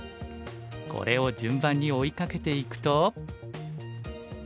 これを順番に追いかけていくと。